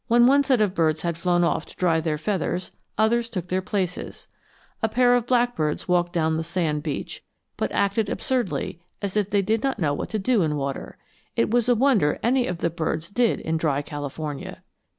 When one set of birds had flown off to dry their feathers, others took their places. A pair of blackbirds walked down the sand beach, but acted absurdly, as if they did not know what to do in water it was a wonder any of the birds did in dry California!